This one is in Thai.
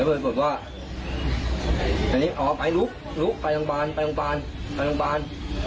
เดี๋ยวเขาบอกว่าอ๋อไปลุกลุกไปตรงบานไปตรงบานไปตรงบาน